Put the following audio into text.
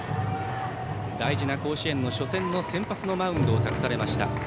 大事な甲子園の初戦の先発のマウンドを託されました。